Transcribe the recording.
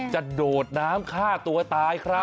โดดน้ำฆ่าตัวตายครับ